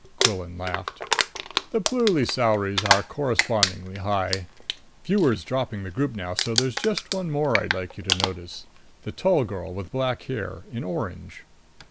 Quillan laughed. "The Pluly salaries are correspondingly high. Viewer's dropping the group now, so there's just one more I'd like you to notice. The tall girl with black hair, in orange."